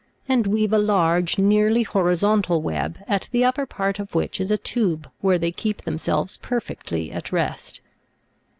and weave a large, nearly horizontal web, at the upper part of which is a tube where they keep them selves perfectly at rest.